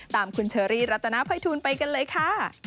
ตามคุณเชอรี่รัตนภัยทูลไปกันเลยค่ะ